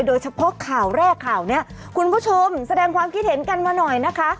โดยเฉพาะข่าวแรกข่าวนี้คุณผู้ชมแสดงความคิดเห็นกันมาหน่อยนะคะ